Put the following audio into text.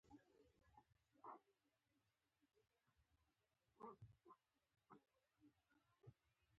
د ژوند مانا څه ده؟